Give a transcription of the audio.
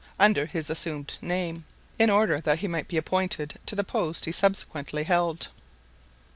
under his assumed name, in order that he might be appointed to the post he subsequently held.